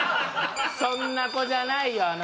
そんな子じゃないよ